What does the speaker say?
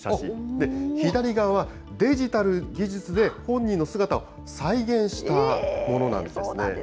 で、左側はデジタル技術で本人の姿を再現したものなんですね。